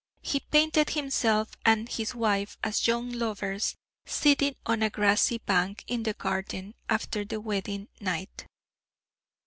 He painted himself and his wife as young lovers, sitting on a grassy bank in the garden, after the wedding night.